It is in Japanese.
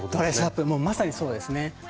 もうまさにそうですね。